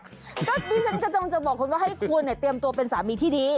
ก็ดิฉันกระจงจะบอกคุณว่าให้คุณเนี่ยเตรียมตัวเป็นสามีที่ดี